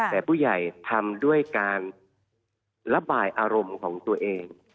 แต่ผู้ใหญ่ทำด้วยการระบายอารมณ์ของตัวเอง